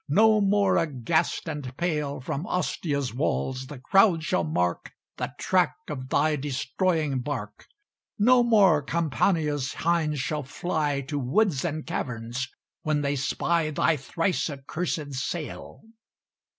No more, aghast and pale, From Ostia's walls the crowd shall mark The track of thy destroying bark. No more Campania's hinds shall fly To woods and caverns when they spy Thy thrice accursed sail."